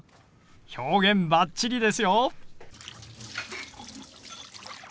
表現バッチリですよ！